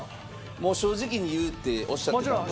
もう正直に言うっておっしゃってたんで。